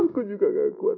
aku juga gak ngakuat